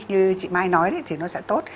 như chị mai nói thì nó sẽ tốt